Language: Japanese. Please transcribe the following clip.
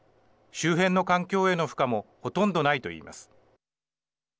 周辺の環境への負荷もほとんどないと言います。